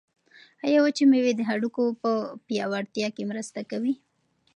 آیا وچې مېوې د هډوکو په پیاوړتیا کې مرسته کوي؟